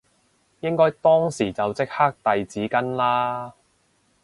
應該當時就即刻遞紙巾啦